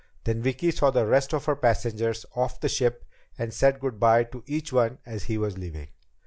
Then Vicki saw the rest of her passengers off the ship and said good by to each one as he was leaving.